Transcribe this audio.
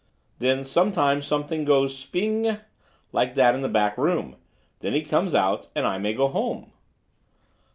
"Then sometimes something goes 'sping g g g g!' like that in the back room. Then he comes out and I may go home."